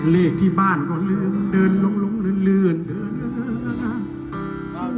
เลขที่บ้านก็ลืมเดินลงลุงลื่นลื่นเดินลื่นลื่น